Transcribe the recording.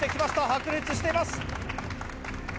白熱しています